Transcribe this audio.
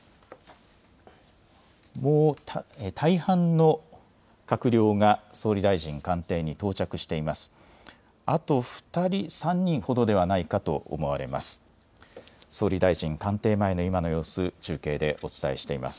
もう大半の閣僚が総理大臣官邸に到着しています。